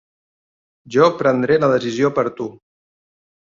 Jo prendré la decisió per tu.